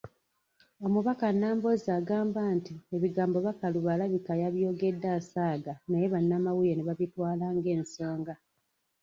Omubaka Nambooze agamba nti ebigambo Bakaluba alabika yabyogedde asaaga naye bannamawulire ne babitwala ng'ensonga.